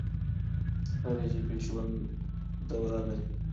هر ژبې ژوند دوره لري.